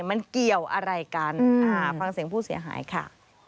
มันเกี่ยวอะไรกันฟังเสียงผู้เสียหายค่ะ